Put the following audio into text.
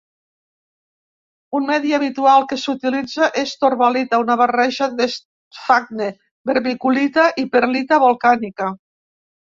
Un medi habitual que s"utilitza es "torba-lita", una barreja d"esfagne, vermiculita i perlita volcànica.